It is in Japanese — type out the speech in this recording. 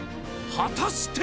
果たして！？